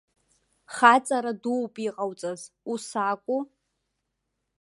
Хаҵара дууп иҟауҵаз, ус акәу?